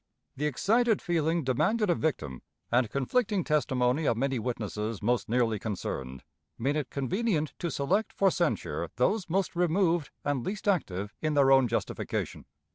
The excited feeling demanded a victim, and conflicting testimony of many witnesses most nearly concerned made it convenient to select for censure those most removed and least active in their own justification.